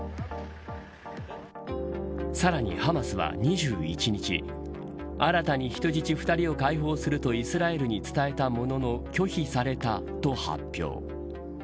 さらに、ハマスは２１日新たに人質２人を解放するとイスラエルに伝えたものの拒否されたと発表。